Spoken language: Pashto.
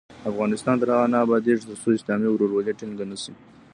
افغانستان تر هغو نه ابادیږي، ترڅو اسلامي ورورولي ټینګه نشي.